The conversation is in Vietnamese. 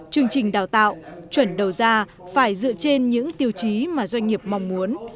chương trình đào tạo chuẩn đầu ra phải dựa trên những tiêu chí mà doanh nghiệp mong muốn